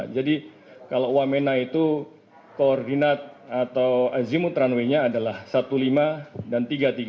jadi kalau wamena itu koordinat atau azimut runway nya adalah lima belas dan tiga puluh tiga